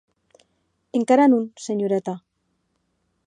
Encara non, senhoreta.